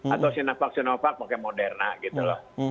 atau sinovac sinovac pakai moderna gitu loh